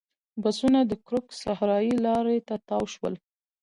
بسونه د کرک صحرایي لارې ته تاو شول.